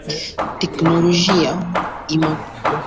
Teknologia imazindua uvumbuzi mpya.